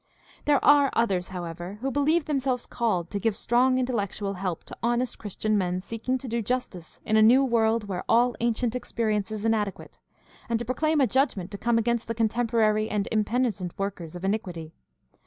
There are others, however, who believe themselves called to give strong intellectual help to honest Christian men seeking to do justice in a new world where all ancient experience is inadequate, and to proclaim a judgment to come against the contemporary and impenitent workers of iniquity.